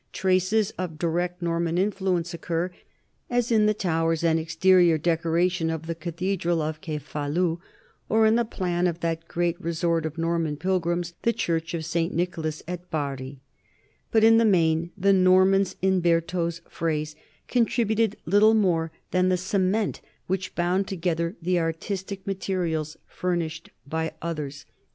Traces of direct Norman influence occur, as in the tow ers and exterior decoration of the cathedral of Cef alu or in the plan of that great resort of Norman pilgrims, the church of St. Nicholas at Bari; but in the main the Normans, in Bertaux's phrase, contributed little more than the cement which bound together the artistic ma terials furnished by others.